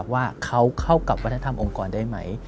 ว่าเขาเข้ากับวัฒนธรรมองค์กรได้ไหม